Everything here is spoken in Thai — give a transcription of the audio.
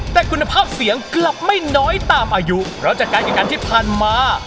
แต่คุณภาพเสียงกลับไม่น้อยตามอายุเพราะจากการแข่งขันที่ผ่านมา